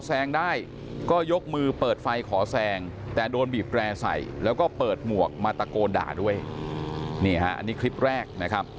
อันนี้คลิปแรกนะครับ